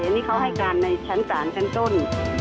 อันนี้เขาให้การในชั้นศาลชั้นต้น